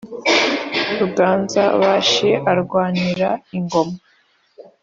ruganza-bashi arwanira ingoma